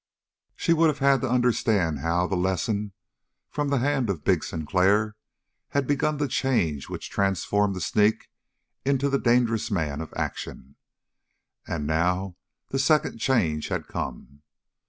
She would have had to understand how the lesson from the hand of big Sinclair had begun the change which transformed the sneak into the dangerous man of action. And now the second change had come.